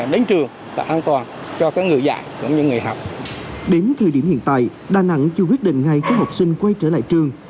đến thời điểm hiện tại đà nẵng chưa quyết định ngay khi học sinh quay trở lại trường